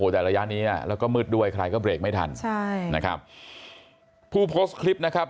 แต่ระยะเนี้ยแล้วก็มืดด้วยใครก็เบรกไม่ทันใช่นะครับผู้โพสต์คลิปนะครับ